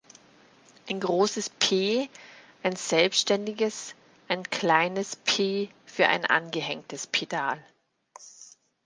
Ein großes „P“ ein selbstständiges, ein kleines „p“ für ein angehängtes Pedal.